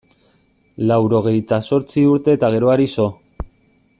Laurogehita zortzi urte eta geroari so.